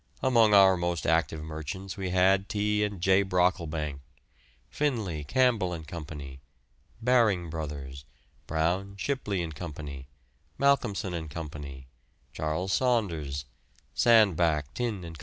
Among our most active merchants we had T. and J. Brocklebank; Finlay, Campbell and Co.; Baring Brothers; Brown, Shipley and Co.; Malcolmson and Co.; Charles Saunders; Sandbach, Tinne and Co.